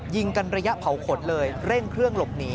ยิงกันระยะเผาขนเลยเร่งเครื่องหลบหนี